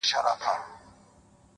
پر ما خوښي لكه باران را اوري ـ